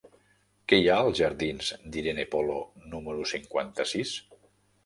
Què hi ha als jardins d'Irene Polo número cinquanta-sis?